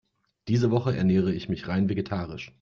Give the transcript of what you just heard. Diese Woche ernähre ich mich rein vegetarisch.